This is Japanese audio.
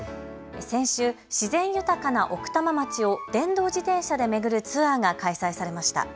先週、自然豊かな奥多摩町を電動自転車で巡るツアーが開催されました。